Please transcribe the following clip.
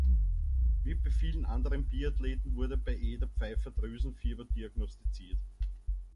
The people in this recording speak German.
Wie bei vielen anderen Biathleten wurde bei Eder Pfeiffer-Drüsenfieber diagnostiziert.